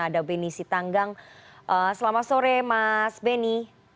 ada beni sitanggang selamat sore mas benny